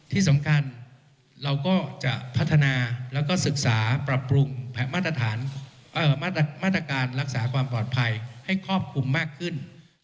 ที่สำคัญเราก็จะพัฒนาแล้วก็ศึกษาปรับปรุงมาตรฐานมาตรการรักษาความปลอดภัยให้ครอบคลุมมากขึ้น